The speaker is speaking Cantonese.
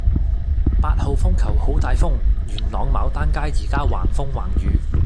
八號風球好大風，元朗牡丹街依家橫風橫雨